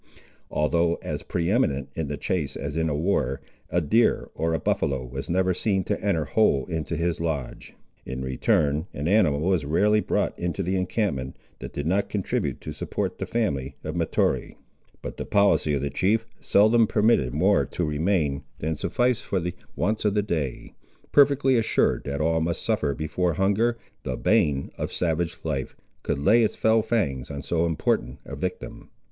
Although as pre eminent in the chase as in war, a deer or a buffaloe was never seen to enter whole into his lodge. In return, an animal was rarely brought into the encampment, that did not contribute to support the family of Mahtoree. But the policy of the chief seldom permitted more to remain than sufficed for the wants of the day, perfectly assured that all must suffer before hunger, the bane of savage life, could lay its fell fangs on so important a victim.